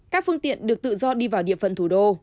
các phương tiện được tự do đi vào địa phận thủ đô